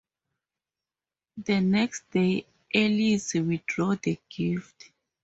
The next day Ailes withdrew the gift.